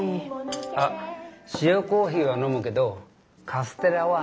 あ塩コーヒーは飲むけどカステラは。